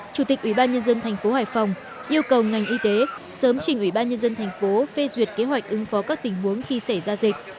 chủ tịch ubnd tp hải phòng yêu cầu ngành y tế sớm trình ubnd tp phê duyệt kế hoạch ứng phó các tình huống khi xảy ra dịch